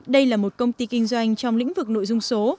đây là một công ty kinh doanh trong lĩnh vực nội dung số